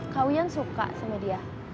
kawian suka sama dia